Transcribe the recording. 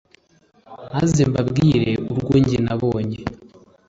Maze mbabwire urwo ge nabonye